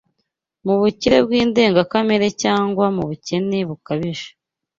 mu bukire bw’indengakamere cyangwa mu bukene bukabije.